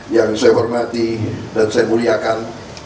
yang saya hormati dan saya muliakan